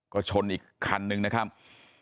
ก็ชนอีกคันนึงนะครับ